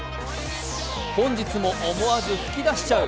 本日も思わず吹き出しちゃう